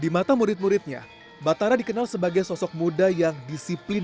di mata murid muridnya batara dikenal sebagai sosok muda yang disiplin